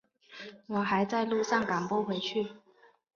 我还在路上赶不回去